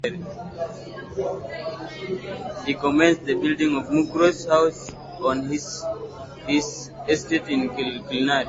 He commenced the building of Muckross House on his estate in Killarney.